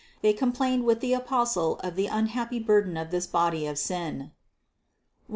They complained with the Apostle of the unhappy burden of this body of sin (Rom.